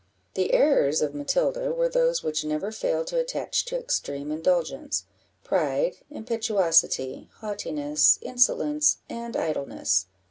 The errors of Matilda were those which never fail to attach to extreme indulgence pride, impetuosity, haughtiness, insolence, and idleness.